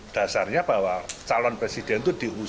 dasarnya bahwa calon presiden itu diusung